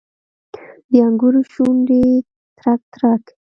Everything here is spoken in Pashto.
د انګورو شونډې ترک، ترک